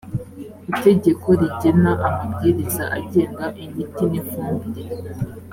itegeko rigena amabwiriza agenga imiti n ifumbire